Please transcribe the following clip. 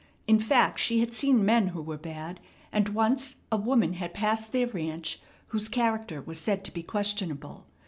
In fact, she had seen men who were bad, and once a woman had passed their ranch whose character was said to be questionable.